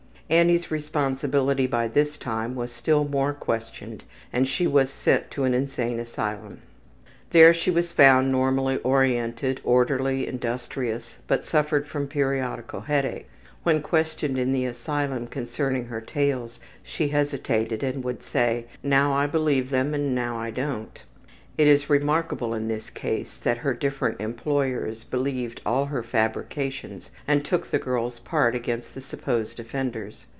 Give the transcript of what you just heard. Annie's responsibility by this time was still more questioned and she was sent to an insane asylum. There she was found normally oriented, orderly, industrious, but suffered from periodical headaches. When questioned in the asylum concerning her tales she hesitated and would say, ``Now I believe them and now I don't.'' It is remarkable in this case that her different employers believed all her fabrications and took the girl's part against the supposed offenders.